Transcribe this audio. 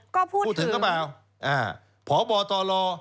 ก็พูดถึงพูดถึงก็เปล่าพบตล